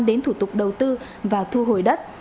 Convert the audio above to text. đến thủ tục đầu tư và thu hồi đất